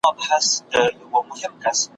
پلار دی راغی لکه پړانګ وو خښمېدلی `